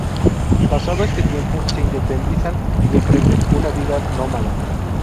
Pasado este tiempo, se independizan y emprenden una vida nómada.